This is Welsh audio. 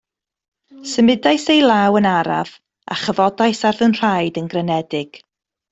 Symudais ei law yn araf, a chyfodais ar fy nhraed yn grynedig.